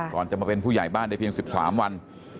ก่อนจะมาเป็นผู้ใหญ่บ้านได้เพียง๑๓วัน